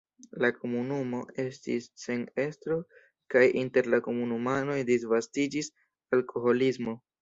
La komunumo estis sen estro kaj inter la komunumanoj disvastiĝis alkoholismo.